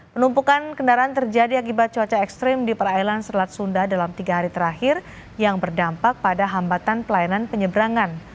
penumpukan kendaraan terjadi akibat cuaca ekstrim di perairan selat sunda dalam tiga hari terakhir yang berdampak pada hambatan pelayanan penyebrangan